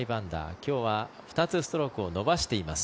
今日は２つストロークを伸ばしています。